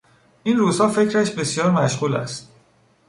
این روزها فکرش بسیار مشغول است.